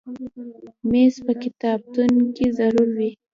مېز په کتابتون کې ضرور وي.